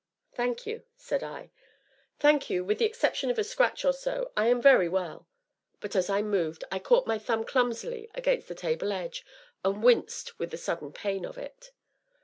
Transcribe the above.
"Thank you," said I, "thank you; with the exception of a scratch, or so, I am very well!" But, as I moved, I caught my thumb clumsily against the table edge, and winced with the sudden pain of it.